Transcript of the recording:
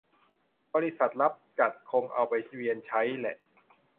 บริษัทรับจัดคงเอาไปเวียนใช้แหละ